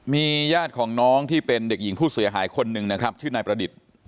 มีญาติของน้องที่เป็นเด็กหญิงผู้เสียหายคนหนึ่งนะครับชื่อนายประดิษฐ์